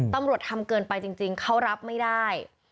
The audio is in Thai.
ตำรวจทำเกินไปจริงเขารับไม่ได้